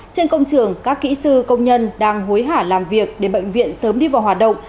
trên công trường các kỹ sư công nhân đang hối hả làm việc để bệnh viện sớm đi vào hoạt động